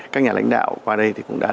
các nhà lãnh đạo qua đây thì cũng đã